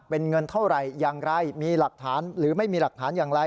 เป็นเงินเท่าไหร่อย่างไรมีหลักฐานหรือไม่มีหลักฐานอย่างไร